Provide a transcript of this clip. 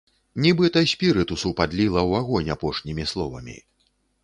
Нібыта спірытусу падліла ў агонь апошнімі словамі.